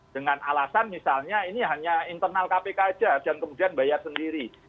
dengan alasan misalnya ini hanya internal kpk saja dan kemudian bayar sendiri